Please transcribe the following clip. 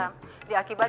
wah apaan sih bawah